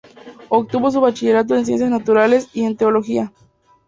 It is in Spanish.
Obtuvo su bachillerato en Ciencias Naturales y en Teología.